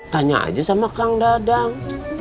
tanya aja sama kang dadang